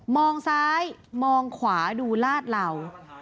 มองซ้ายมองขวาดูลาดเหล่า